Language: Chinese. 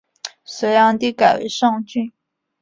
隋炀帝改为上郡。